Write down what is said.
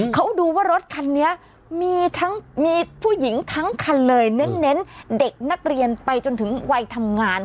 เขาดูว่ารถคันนี้มีทั้งมีผู้หญิงทั้งคันเลยเน้นเด็กนักเรียนไปจนถึงวัยทำงาน